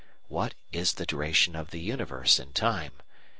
What is the duration of the universe in time?